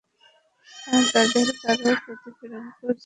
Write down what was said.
তাদের কারো প্রতি প্রেরণ করেছি প্রস্তরসহ প্রচণ্ড ঝড়।